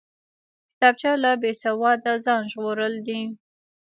کتابچه له بېسواده ځان ژغورل دي